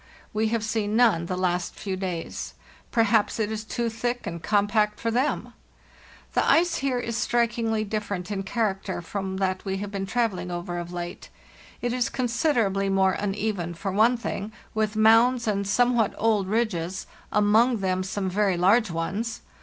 We have seen none the last few days. Perhaps it is too thick and compact for them (?). The ice here is strikingly different in char acter from that we have been travelling over of late. It is considerably more uneven, for one thing, with mounds and somewhat old ridges—among them some very large ones.